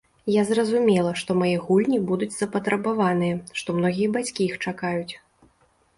Я зразумела, што мае гульні будуць запатрабаваныя, што многія бацькі іх чакаюць.